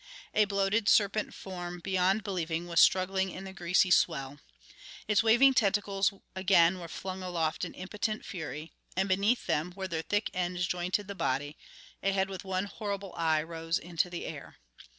A bloated serpent form beyond believing was struggling in the greasy swell. Its waving tentacles again were flung aloft in impotent fury, and, beneath them, where their thick ends jointed the body, a head with one horrible eye rose into the air.